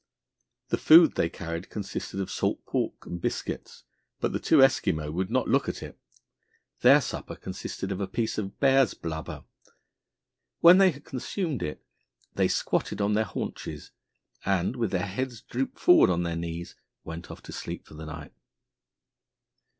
The food they carried consisted of salt pork and biscuits, but the two Eskimo would not look at it. Their supper consisted of a piece of bear's blubber. When they had consumed it they squatted on their haunches and, with their heads drooped forward on their knees, went off to sleep for the night.